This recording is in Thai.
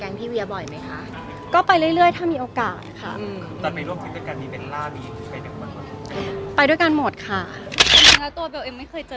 วิวียบ่อยไหมคะก็ไปเรื่อยถ้ามีโอกาสพันไปด้วยการหมดค่ะไม่เคยเจอ